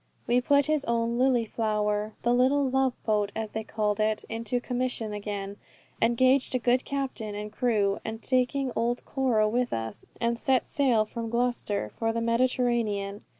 We put his own "Lilyflower," the little love boat as they called it, into commission again, engaged a good captain and crew, and taking old Cora with us, set sail from Gloucester for the Mediterranean.